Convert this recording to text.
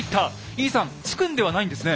井伊さん突くんではないんですね。